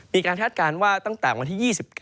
คาดการณ์ว่าตั้งแต่วันที่๒๙